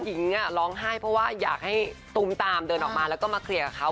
หญิงร้องไห้เพราะว่าอยากให้ตุมตามเดินออกมาแล้วก็มาเคลียร์กับเขา